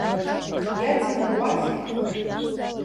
Иаҵанакуазеи?